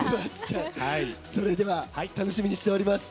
それでは楽しみにしております。